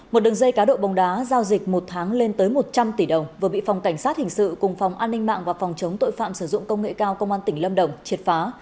một đường dây cá độ bóng đá giao dịch một tháng lên tới một trăm linh tỷ đồng vừa bị phòng cảnh sát hình sự cùng phòng an ninh mạng và phòng chống tội phạm sử dụng công nghệ cao công an tỉnh lâm đồng triệt phá